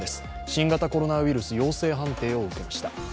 新型コロナウイルス陽性判定を受けました。